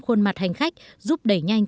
khuôn mặt hành khách giúp đẩy nhanh